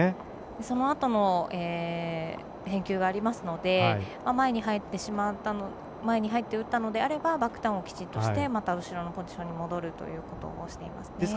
そのあとの返球がありますので前に入って打ったのであればバックターンをきっちりとしてまた後ろのポジションに戻るということもしていますね。